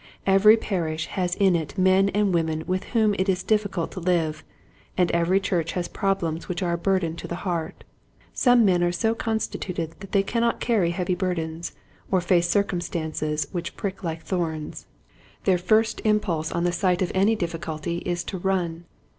Every parish has in it men and women with whom it is difficult to live, and every church has problems which are a burden to the heart. Some men are so constituted that they cannot carry heavy burdens or face circumstances which prick like thorns. Their first impulse Discontent. 137 on the sight of any difficulty is to run.